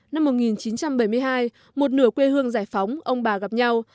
năm một nghìn chín trăm bảy mươi hai một nửa quê hương giải phóng ông bà gặp nhau